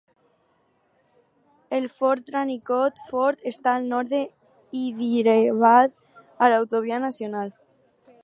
El fort Ranikot Fort està al nord d'Hyderabad, a l'autovia nacional.